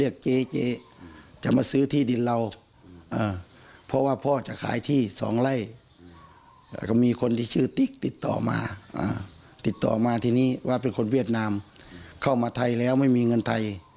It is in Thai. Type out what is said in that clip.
เข้ามาไทยแล้วไม่มีเงินไทย